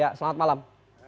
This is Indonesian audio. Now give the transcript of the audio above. ya selamat malam